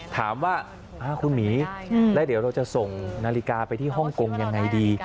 ถามว่าคุณหมีแล้วเดี๋ยวเราจะส่งนาฬิกาไปที่ฮ่องกงยังไงดี